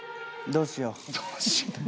「どうしよう」。